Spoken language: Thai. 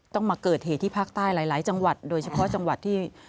ต้องมาเกิดเหตุที่ภาคใต้หลายจังหวัดโดยเฉพาะจังหวัดที่